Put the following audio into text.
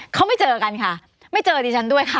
เขาไม่เจอกันค่ะไม่เจอดิฉันด้วยค่ะ